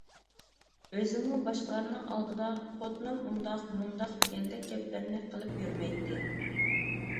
ئۆزىمۇ باشقىلارنىڭ ئالدىدا: «خوتۇنۇم ئۇنداق، مۇنداق» دېگەندەك گەپلەرنى قىلىپ يۈرمەيتتى.